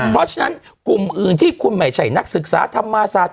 เพราะฉะนั้นกลุ่มอื่นที่คุณไม่ใช่นักศึกษาธรรมศาสตร์